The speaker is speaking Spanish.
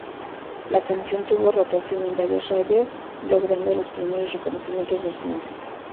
La canción tuvo rotación en varias radios, logrando los primeros reconocimientos de su música.